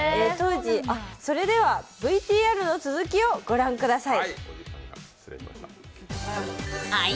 それではＶＴＲの続きを御覧ください。